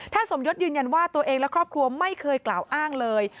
สมยศยืนยันว่าตัวเองและครอบครัวไม่เคยกล่าวอ้างเลย